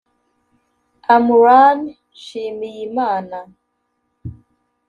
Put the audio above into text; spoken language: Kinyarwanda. Amran Nshimiyimana